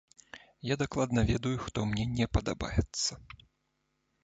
Я дакладна ведаю, хто мне не падабаецца.